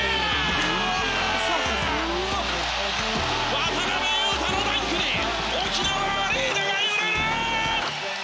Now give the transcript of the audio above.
渡邊雄太のダンクで沖縄のアリーナが揺れる！